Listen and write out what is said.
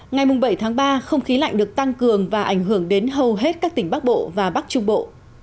ngày bảy tháng ba không khí lạnh được tăng cường và ảnh hưởng đến hầu hết các tỉnh bắc bộ và bắc trung bộ